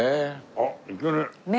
あっいけね。